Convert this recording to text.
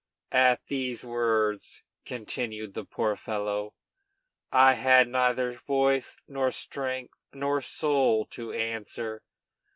At those words," continued the poor fellow, "I had neither voice, nor strength, nor soul to answer.